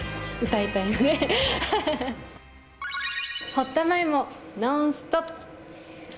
堀田真由も「ノンストップ！」。